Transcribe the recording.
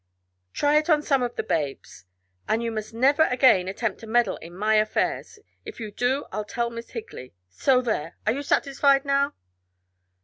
Try it on some of the Babes. But you must never again attempt to meddle in my affairs. If you do I'll tell Miss Higley. So there! Are you satisfied now?"